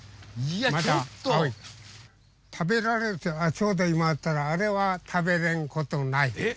ちょうど今やったらあれは食べれんことないです。